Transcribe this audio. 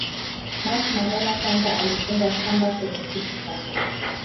Mark Mahela kwanza alifungwa kamba kwenye kiti chake